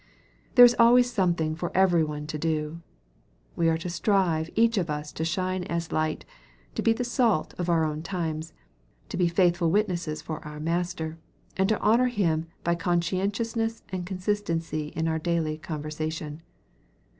There is always something for every one to do. We are to strive each of us to shine as a light to be the salt of our own times to be faithful witnesses for our Master, and to honor Him by conscien tiousness and consistency in our daily conversation.